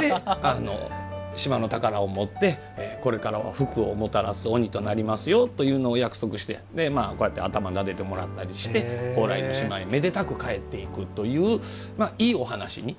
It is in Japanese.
で、島の宝を持ってこれからは福をもたらす鬼になりますよと約束して、こうやって頭なでてもらったりして蓬莱の島へ、めでたく帰っていくという、いいお話。